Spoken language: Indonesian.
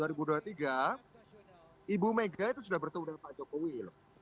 ibu mega itu sudah bertemu dengan pak jokowi loh